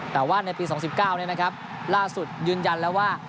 แต่ว่าในปี๒๙ล่าสุดยืนยันแล้วว่า